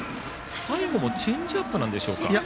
最後もチェンジアップなんでしょうか。